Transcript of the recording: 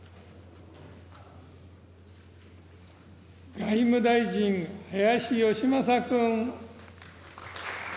外務大臣、林芳正君。